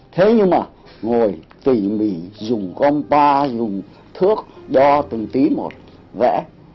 thế nhưng mà ngồi tỉ mỉ dùng gompa dùng thước đo từng tí một vẽ